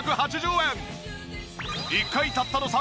１回たったの３分。